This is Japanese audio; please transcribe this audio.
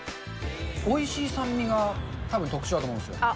おいしい酸味がたぶん特徴だと思うんですよ。